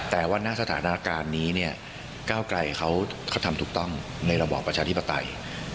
แต่ว่าณสถานการณ์นี้เนี่ยก้าวไกลเขาทำถูกต้องในระบอบประชาธิปไตย